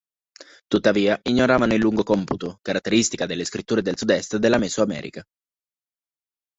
Tuttavia, ignoravano il lungo computo, caratteristica delle scritture del sudest della Mesoamerica.